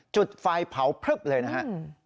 จุดไฟเผาเพลิบเลยนะฮะ